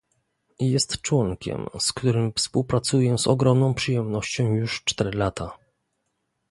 Jest członkiem, z którym współpracuję z ogromną przyjemnością już cztery lata